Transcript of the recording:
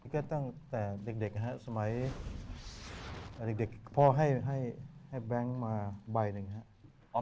ก็ตั้งแต่เด็กนะครับสมัยเด็กพ่อให้แบงค์มาใบหนึ่งครับ